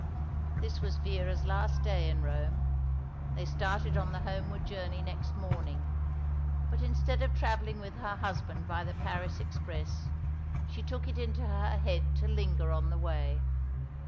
This was Vera's last day in Rome. They started on the homeward journey next morning, but instead of travelling with her husband by the Paris express, she took it into her head to linger on the way.